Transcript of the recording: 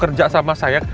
kerja sama saya